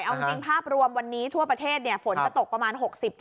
เอาจริงภาพรวมวันนี้ทั่วประเทศฝนจะตกประมาณ๖๗